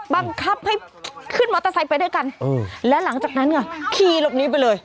บังคับให้ขึ้นมอเตอร์ไซค์ไปด้วยกันและหลังจากนั้นค่ะขี่หลบนี้ไปเลย